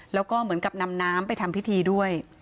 แล้วก็เหมือนกับนำน้ำไปทำพิธีด้วย